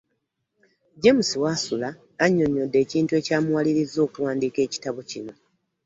James Wasula annyonnyodde ekintu ekyamuwalirizza okuwandiika ekitabo kino.